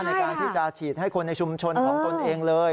ในการที่จะฉีดให้คนในชุมชนของตนเองเลย